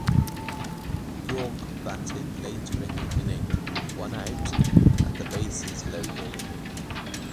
Iorg batted later in the inning with one out and the bases loaded.